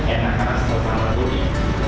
enak karena sesama sama